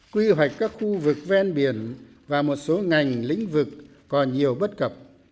quy hoạch các khu vực ven biển và một số ngành lĩnh vực còn nhiều bất cập